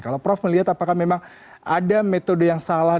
kalau prof melihat apakah memang ada metode yang salah